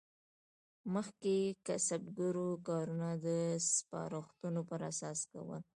مخکې کسبګرو کارونه د سپارښتونو پر اساس کول.